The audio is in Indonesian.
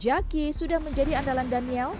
jaki sudah menjadi andalan daniel